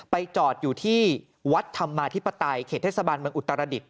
จอดอยู่ที่วัดธรรมาธิปไตยเขตเทศบาลเมืองอุตรดิษฐ